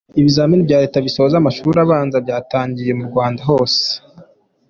Ibizamini bya Leta bisoza amashuri abanza byatangiye mu Rwanda hose